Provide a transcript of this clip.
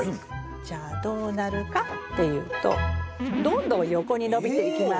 じゃあどうなるかっていうとどんどん横に伸びてきます。